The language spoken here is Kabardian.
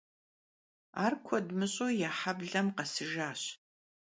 Ar kued mış'eu ya heblem khesıjjaş.